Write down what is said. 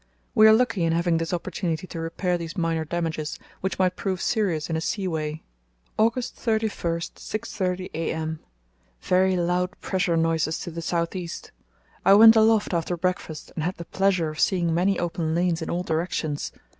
We are lucky in having this opportunity to repair these minor damages, which might prove serious in a seaway. "August 31, 6.30 a.m.—Very loud pressure noises to the south east. I went aloft after breakfast and had the pleasure of seeing many open lanes in all directions.